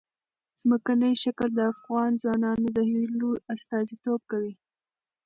ځمکنی شکل د افغان ځوانانو د هیلو استازیتوب کوي.